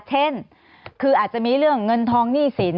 เช่นคืออาจจะมีเรื่องเงินทองหนี้สิน